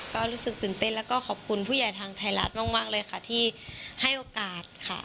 ก็รู้สึกตื่นเต้นแล้วก็ขอบคุณผู้ใหญ่ทางไทยรัฐมากเลยค่ะที่ให้โอกาสค่ะ